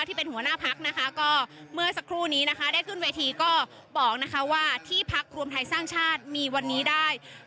ที่เป็นหัวหน้าพักนะคะก็เมื่อสักครู่นี้นะคะได้ขึ้นเวทีก็บอกนะคะว่าที่พักรวมไทยสร้างชาติมีวันนี้ได้